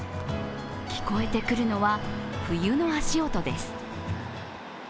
聞こえてくるのは、冬の足音です。